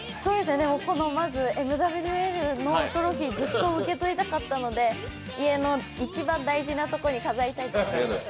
まずＭＷＬのトロフィー、ずっと受け取りたかったので家の一番大事なとこに飾りたいと思います。